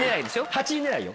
８位狙いよ。